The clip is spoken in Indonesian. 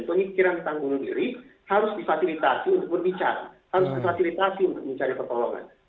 pemikiran tanggung diri harus difasilitasi untuk berbicara harus difasilitasi untuk mencari pertolongan